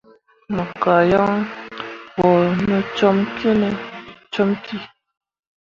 Me gah yan bo no com kine comki.